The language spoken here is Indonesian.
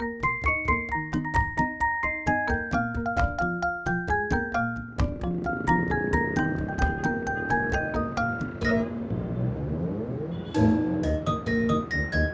mau bareng gak